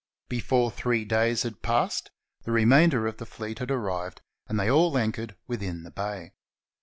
Before three days had passed, the remainder of the fleet had arrived and had all anchored within the bay.